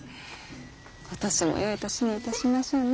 今年もよい年にいたしましょうね。